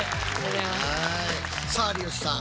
さあ有吉さん